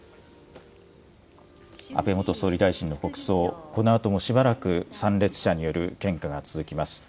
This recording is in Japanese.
安倍元総理大臣の国葬、このあともしばらく参列者による献花が続きます。